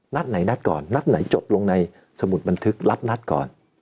นัดไหนนัดก่อนนัดไหนจบลงในสมุดบันทึกนัดนัดก่อน